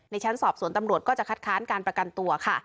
ชั้นสอบสวนตำรวจก็จะคัดค้านการประกันตัวค่ะ